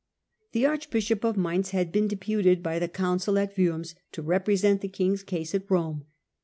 The archbishop of Mainz had been deputed by the council at 'Worms to represent the king's case at Eome.